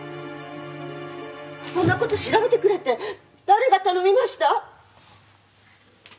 そんな事調べてくれって誰が頼みました？